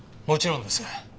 もちろんです。